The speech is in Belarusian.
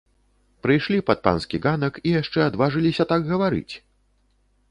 Прыйшлі пад панскі ганак і яшчэ адважыліся так гаварыць!